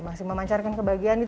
masih memancarkan kebahagiaan gitu